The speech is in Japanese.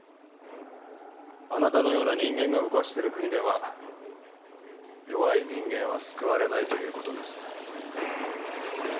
あなたのような人間が動かしてる国では弱い人間は救われないという事です。